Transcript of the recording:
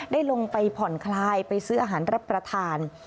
ได้ลงไปผ่อนคลายไปซื้ออาหารรับประทาน